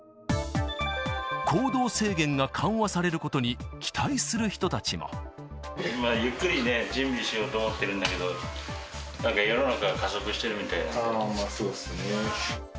行動制限が緩和されることにゆっくりね、準備しようと思ってるんだけど、世の中は加速しているみたいなんそうですね。